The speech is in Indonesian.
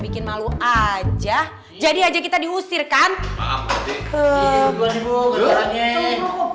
cuma jangan kita serang